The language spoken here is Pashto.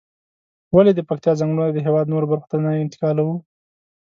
ولې د پکتيا ځنگلونه د هېواد نورو برخو ته نه انتقالوو؟